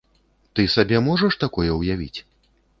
Ты сабе можаш такое ўявіць?